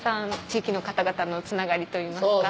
地域の方々のつながりといいますか。